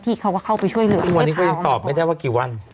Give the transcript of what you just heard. เขาก็เข้าไปช่วยเหลือวันนี้ก็ยังตอบไม่ได้ว่ากี่วัน